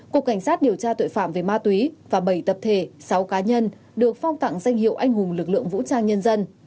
cục cảnh sát điều tra tội phạm về ma túy và bảy tập thể sáu cá nhân được phong tặng danh hiệu anh hùng lực lượng vũ trang nhân dân